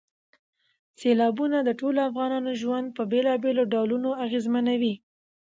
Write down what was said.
سیلابونه د ټولو افغانانو ژوند په بېلابېلو ډولونو اغېزمنوي.